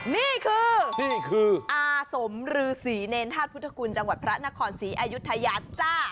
นี่คืออาสมรือศรีในธาตุพุทธกุลจังหวัดพระนครศรีอายุทยาจ้า